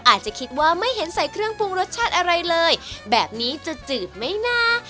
อาจจะคิดว่าไม่เห็นใส่เครื่องปรุงรสชาติอะไรเลยแบบนี้จะจืดไหมนะ